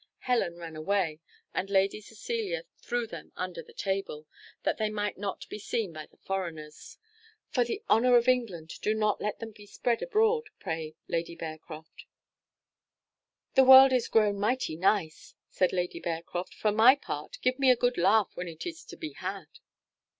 Helen turned away, and Lady Cecilia threw them under the table, that they might not be seen by the foreigners. "For the honour of England, do not let them be spread abroad, pray, Lady Bearcroft." "The world is grown mighty nice!" said Lady Bearcroft; "for my part, give me a good laugh when it is to be had."